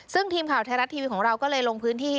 ซึ่งทีมข่าวไทยรัฐทีวีของเราก็เลยลงพื้นที่